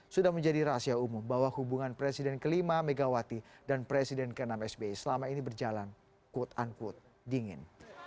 sudah menjadi rahasia umum bahwa hubungan presiden kelima megawati dan presiden ke enam sbi selama ini berjalan quote unquote dingin